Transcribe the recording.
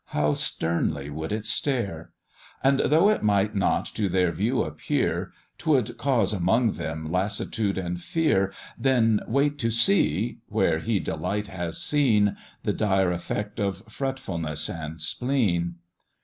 how sternly would it stare: And though it might not to their view appear, 'Twould cause among them lassitude and fear Then wait to see where he delight has seen The dire effect of fretfulness and spleen.